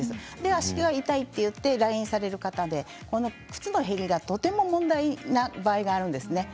足が痛いと言って来院される方で靴の減りがとても問題の場合があるんです。